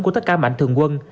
của tất cả mạnh thường quân